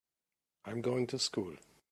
I'm going to school.